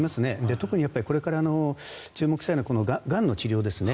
特にこれから注目したいのはこのがんの治療ですね。